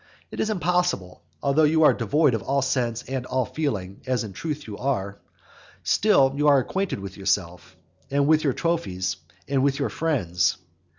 It is impossible. Although you are devoid of all sense and all feeling, as in truth you are, still you are acquainted with yourself, and with your trophies, and with your friends.